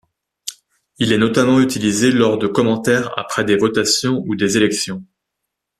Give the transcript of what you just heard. Il est notamment utilisé lors de commentaires après des votations ou des élections.